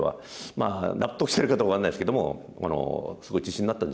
まあ納得してるかどうか分かんないですけども。